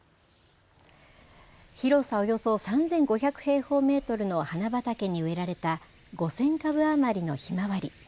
広さおよそ３５００平方メートルの花畑に植えられた５０００株余りのひまわり。